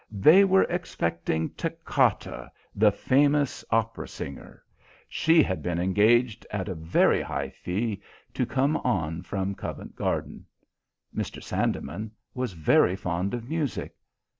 They were expecting Toccata, the famous opera singer. She had been engaged at a very high fee to come on from Covent Garden. Mr. Sandeman was very fond of music.